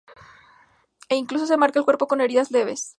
E incluso se marca el cuerpo con heridas leves.